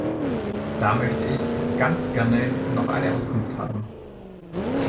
Da möchte ich ganz gerne noch eine Auskunft haben.